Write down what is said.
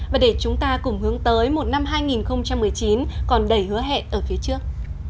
và để chúng ta cùng hướng tới một năm hai nghìn một mươi chín còn đầy hứa hẹn ở phía trước